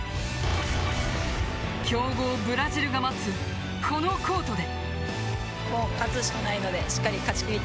強豪ブラジルが待つこのコートで。